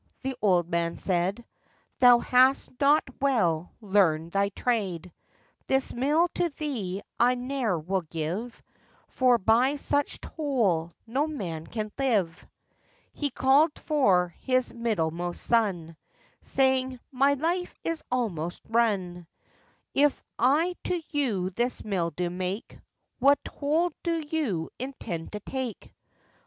the old man said, 'Thou hast not well learned thy trade; This mill to thee I ne'er will give, For by such toll no man can live.' He called for his middlemost son, Saying, 'My life is almost run; If I to you this mill do make, What toll do you intend to take?